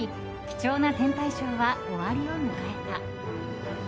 貴重な天体ショーは終わりを迎えた。